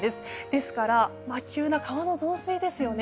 ですから急な川の増水ですよね。